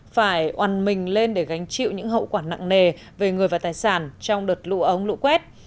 phải oàn mình lên để gánh chịu những hậu quả nặng nề về người và tài sản trong đợt lũ ống lũ quét